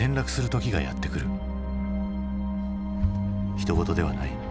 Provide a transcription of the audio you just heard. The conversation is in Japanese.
ひと事ではない。